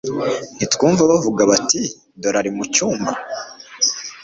ntitwumva bavuga bati: "Dore ari mu cyumba?"